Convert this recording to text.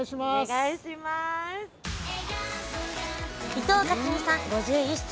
伊藤克己さん５１歳。